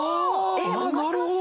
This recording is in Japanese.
なるほど！